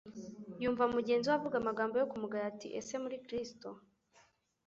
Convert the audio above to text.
Yumva mugenzi we avuga amagambo yo kumugaya ati: "Ese muri Kristo'?